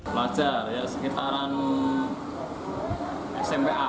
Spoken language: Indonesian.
pelajar ya sekitaran sma